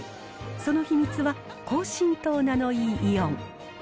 その秘密は高浸透ナノイーイオン。